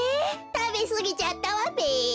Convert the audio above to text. たべすぎちゃったわべ。